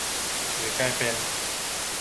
หรือกลายเป็น